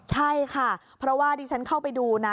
ใช่ค่ะเพราะว่าดิฉันเข้าไปดูนะ